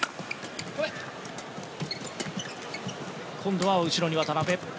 今度は後ろに渡辺。